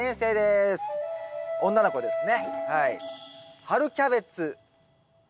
女の子ですねはい。